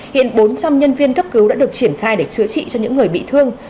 hiện bốn trăm linh nhân viên cấp cứu đã được triển khai để chữa trị cho những người bị thương